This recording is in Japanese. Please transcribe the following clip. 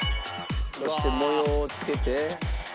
「そして模様をつけて」